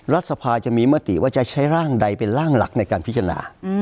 รัฐสภาจะมีมติว่าจะใช้ร่างใดเป็นร่างหลักในการพิจารณา